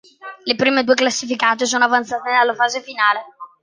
Le prime due classificate sono avanzate alla fase finale.